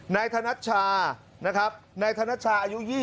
ในธนัชชานะครับในธนัชชาอายุ๒๖ปี